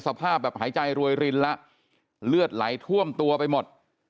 สภาพแบบหายใจรวยรินแล้วเลือดไหลท่วมตัวไปหมด